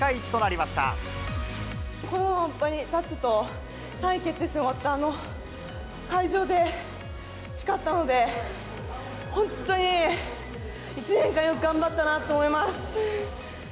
この場に立つと、３位決定戦終わったあの会場で誓ったので、本当に１年間、よく頑張ったなと思います。